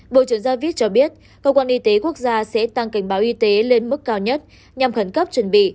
bộ trưởng javis cho biết cơ quan y tế quốc gia sẽ tăng cảnh báo y tế lên mức cao nhất nhằm khẩn cấp chuẩn bị